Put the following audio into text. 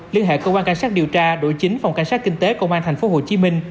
liên hệ cơ quan cảnh sát điều tra đội chính phòng cảnh sát kinh tế công an tp hcm